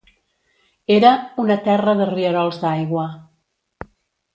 Era "una terra de rierols d'aigua".